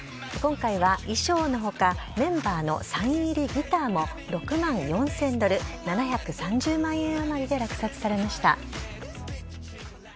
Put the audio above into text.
今回は衣装のほか、メンバーのサイン入りギターも６万４０００ドル、７３０万円余りで落札されました。